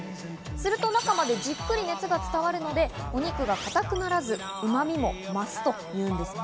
すると中までじっくり熱が伝わるので、お肉が硬くならず、うま味も増すというんですね。